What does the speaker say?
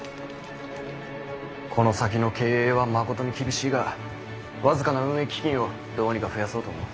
この先の経営はまことに厳しいが僅かな運営基金をどうにか増やそうと思う。